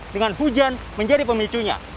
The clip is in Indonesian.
dengan hujan menjadi pemicunya